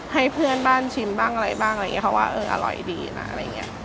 ให้เพื่อนบ้านชิมบ้างอะไรบ้างอะไรอย่างนี้เขาว่าเอออร่อยดีนะอะไรอย่างนี้